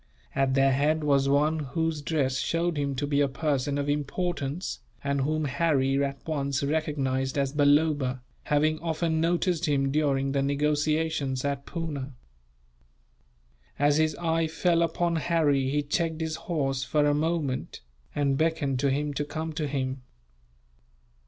At their head was one whose dress showed him to be a person of importance; and whom Harry at once recognized as Balloba, having often noticed him during the negotiations at Poona. As his eye fell upon Harry he checked his horse for a moment, and beckoned to him to come to him.